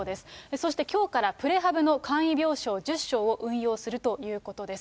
そしてきょうからプレハブの簡易病床１０床を運用するということです。